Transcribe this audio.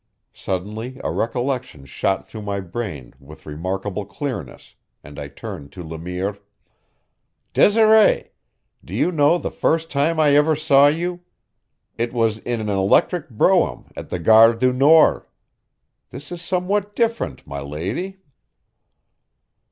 Suddenly a recollection shot through my brain with remarkable clearness, and I turned to Le Mire: "Desiree, do you know the first time I ever saw you? It was in an electric brougham at the Gare du Nord. This is somewhat different, my lady."